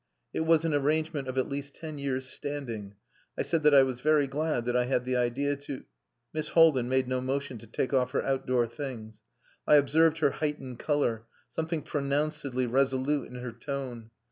It was an arrangement of at least ten years' standing. I said that I was very glad that I had the idea to.... Miss Haldin made no motion to take off her outdoor things. I observed her heightened colour, something pronouncedly resolute in her tone.